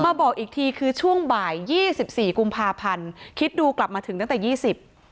บอกอีกทีคือช่วงบ่ายยี่สิบสี่กุมภาพันธ์คิดดูกลับมาถึงตั้งแต่ยี่สิบ